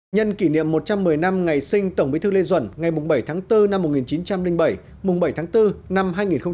nhân kỷ niệm một trăm một mươi năm ngày sinh tổng bí thư lê duẩn ngày bảy tháng bốn năm một nghìn chín trăm linh bảy bảy tháng bốn năm hai nghìn hai mươi